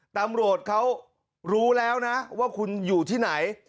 ตำรวจเขารู้แล้วนะว่าคุณอยู่ที่ไหน